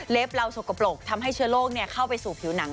เราสกปรกทำให้เชื้อโรคเข้าไปสู่ผิวหนัง